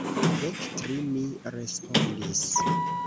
Dek tri, mi respondis.